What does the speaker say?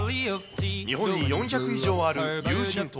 日本に４００以上ある有人島。